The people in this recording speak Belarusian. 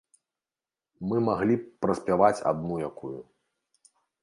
Мы маглі б праспяваць адну якую.